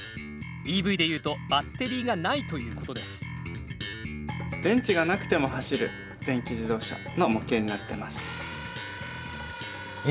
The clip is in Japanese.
ＥＶでいうとバッテリーがないということですえ？